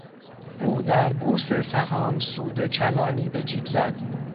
او در بورس سهام سود کلانی به جیب زد.